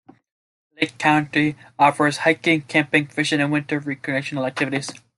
Lake County offers hiking, camping, fishing and winter recreational activities.